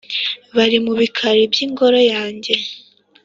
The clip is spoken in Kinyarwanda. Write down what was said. bari mu bikari by’ingoro yanjye.»